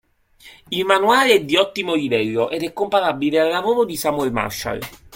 Il manuale è di ottimo livello ed è comparabile al lavoro di Samuel Marshall.